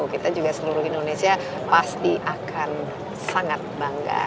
kita juga seluruh indonesia pasti akan sangat bangga